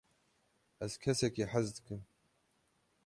ez kesekî hez dikim